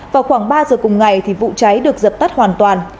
vào khoảng ba giờ cùng ngày vụ cháy được dập tắt hoàn toàn